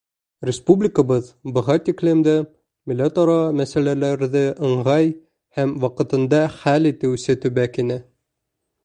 Республикабыҙ быға тиклем дә милләт-ара мәсьәләләрҙе ыңғай һәм ваҡытында хәл итеүсе төбәк ине.